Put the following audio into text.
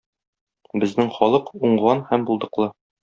Безнең халык - уңган һәм булдыклы.